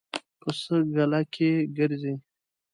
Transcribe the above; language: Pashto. پسه ګله کې ګرځي.